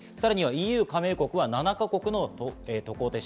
ＥＵ加盟国は７か国の渡航停止。